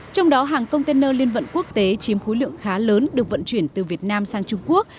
trong đó hàng container liên vận quốc tế chiếm khối lượng khá lớn được vận chuyển từ việt nam sang trung quốc